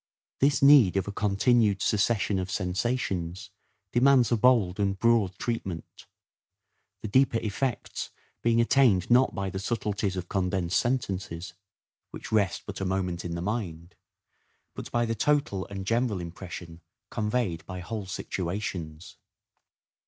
This need of a continued succession of sensations demands a bold and broad treatment ; the deeper effects being attained not by the subtleties of condensed sentences, which rest but a moment in the mind, but by the total and general impression conveyed by whole situations.